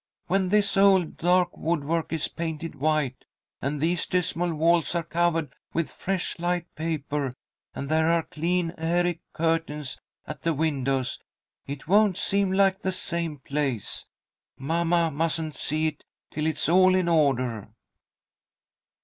"When this old dark woodwork is painted white, and these dismal walls are covered with fresh light paper, and there are clean, airy curtains at the windows, it won't seem like the same place. Mamma mustn't see it till it is all in order."